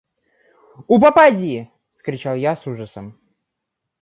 – У попадьи! – вскричал я с ужасом.